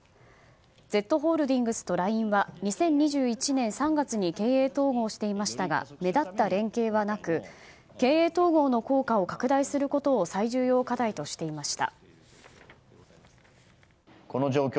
ＺホールディングスとＬＩＮＥは２０２１年３月に経営統合していましたが目立った連携はなく経営統合の効果を拡大することを最重要課題としていました。